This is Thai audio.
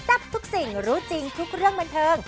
ทับทุกสิ่งรู้จริงทุกเรื่องบันเทิง